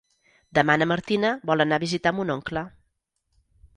Demà na Martina vol anar a visitar mon oncle.